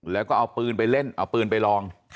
แล้วก็เอาปืนไปเล่นเอาปืนไปลอง